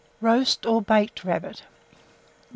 ROAST OR BAKED RABBIT. 983.